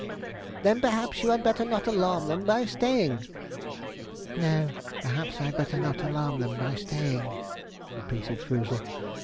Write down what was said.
'Then, perhaps you had better not alarm them by staying,' suggested Jawleyford. 'No, perhaps I'd better not alarm them by staying,' repeated Foozle.